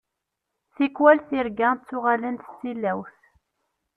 Tikwal tirga ttuɣalent d tilawt.